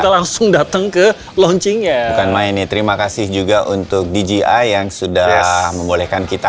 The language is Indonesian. langsung datang ke launching ya mainnya terima kasih juga untuk dj yang sudah membolehkan kita